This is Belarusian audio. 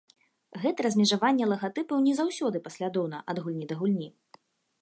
Гэта размежаванне лагатыпаў не заўсёды паслядоўна ад гульні да гульні.